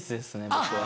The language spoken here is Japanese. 僕は。